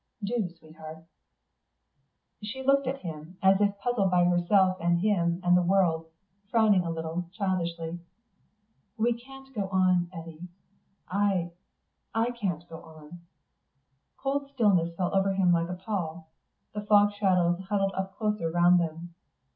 "Do, sweetheart." She looked at him, as if puzzled by herself and him and the world, frowning a little, childishly. "We can't go on, Eddy. I ... I can't go on." Cold stillness fell over him like a pall. The fog shadows huddled up closer round them.